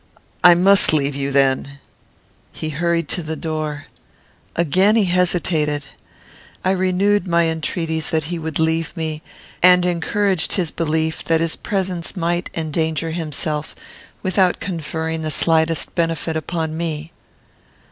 I must leave you, then." He hurried to the door. Again, he hesitated. I renewed my entreaties that he would leave me; and encouraged his belief that his presence might endanger himself without conferring the slightest benefit upon me.